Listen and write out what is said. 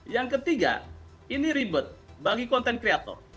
yang ketiga ini ribet bagi konten kreator